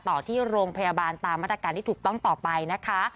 ต่อที่โรงพยาบาลตามมาตรการที่ถูกต้องต่อไปนะคะ